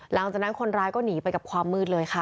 หลังจากนั้นคนร้ายก็หนีไปกับความมืดเลยค่ะ